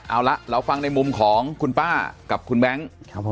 เอาละเราฟังในมุมของคุณป้ากับคุณแบงค์